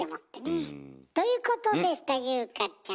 うん。ということでした優香ちゃん。